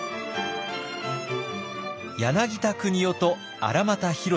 柳田国男と荒俣宏さん。